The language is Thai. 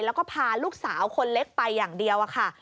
แล้วก็พาลูกสาวคนเล็กไปอย่างเดียวค่ะ